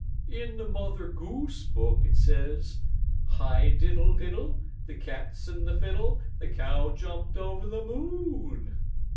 "In the Mother Goose book it says: 'Hi diddle diddle, the cat's in the fiddle, the cow jumped over the moon.'